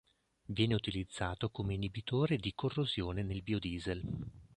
Viene utilizzato come inibitore di corrosione nel biodiesel.